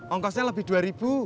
ongkosnya lebih dua ribu